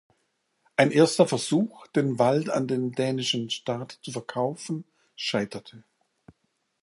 Ein erster Versuch, den Wald an den dänischen Staat zu verkaufen, scheiterte.